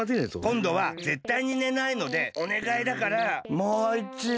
こんどはぜったいにねないのでおねがいだからもういちど。